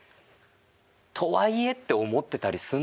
とはいえって思ってたりするのかなって。